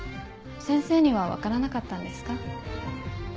先生には分からなかったんですか？